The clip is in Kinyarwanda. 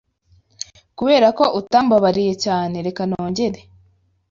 Kuberako utambabariye cyane reka nongere